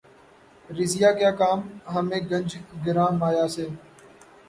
رضیہؔ کیا کام ہمیں گنج گراں مایہ سے